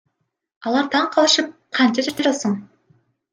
Алар таң калышып Канча жаштасың?